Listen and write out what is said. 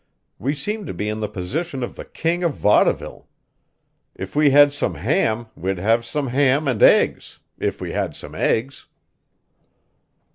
We seem to be in the position of the king of vaudeville. If we had some ham we'd have some ham and eggs if we had some eggs."